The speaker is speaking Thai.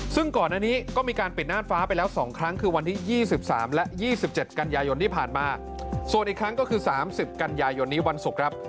ซึ่งก่อนอันนี้ก็มีการปิดน่านฟ้าไปแล้ว๒ครั้งคือวันที่๒๓และ๒๗กันยายนที่ผ่านมาส่วนอีกครั้งก็คือ๓๐กันยายนนี้วันศุกร์ครับ